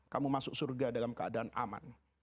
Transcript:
kamu masuk surga dalam keadaan aman